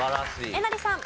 えなりさん。